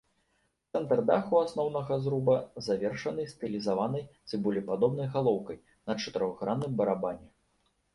Цэнтр даху асноўнага зруба завершаны стылізаванай цыбулепадобнай галоўкай на чатырохгранным барабане.